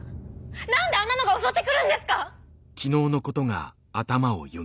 なんであんなのが襲ってくるんですか！